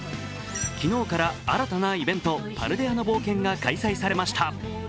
昨日から新たなイベント「パルデアの冒険」が開催されました。